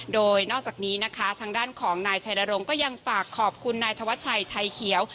โดยนอกจากนี้นะคะทางด้านของนายชัยนรงค์ก็ยังฝากขอบคุณนายธวัชชัยไทยเขียว